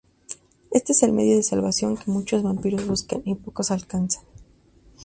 Este es el medio de salvación que muchos vampiros buscan, y pocos alcanzan.